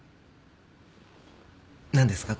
何ですか？